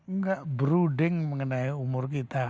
enggak brooding mengenai umur kita